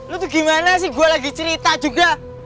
lu tuh gimana sih gue lagi cerita juga